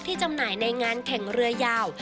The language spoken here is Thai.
จำหน่ายในงานแข่งเรือยาว